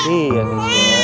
iya kes ya